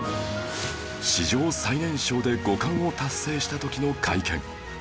史上最年少で五冠を達成した時の会見